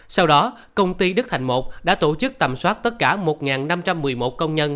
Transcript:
sau đó công ty đức thành một đã tổ chức tầm soát tất cả một năm trăm một mươi một công nhân